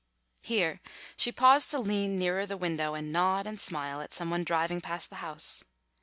Here she paused to lean nearer the window and nod and smile at some one driving past the house.